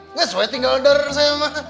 nggak sesuai tinggal daerah saya ma